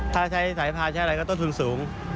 ถ้าใช้สายพาใช้อะไรก็ต้นทุนสูง